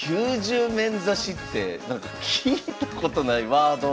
９０面指しって聞いたことないワード。